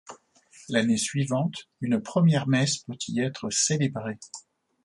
L'année suivante, une première messe peut y être célébrée.